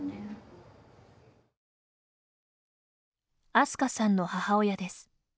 アスカさんの母親です。